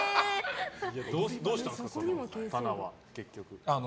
どうしたんですか、棚は。